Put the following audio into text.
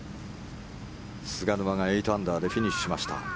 菅沼が８アンダーでフィニッシュしました。